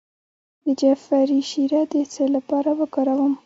د جعفری شیره د څه لپاره وکاروم؟